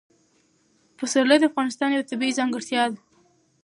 پسرلی د افغانستان یوه طبیعي ځانګړتیا ده.